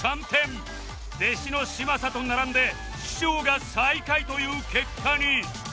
弟子の嶋佐と並んで師匠が最下位という結果に